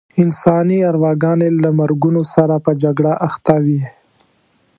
انساني ارواګانې له مرګونو سره په جګړه اخته وې.